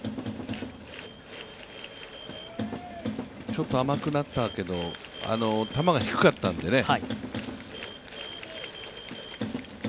ちょっと甘くなったけど、球が低かったのでね。